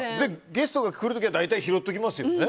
ゲストが来るときは大体拾っておきますよね。